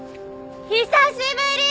久しぶり！